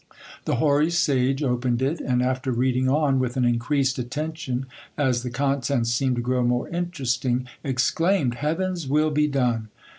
The hoary sage j opened it, and after reading on with an increased attention, as the contents seemed to grow more interesting, exclaimed : Heaven's will be done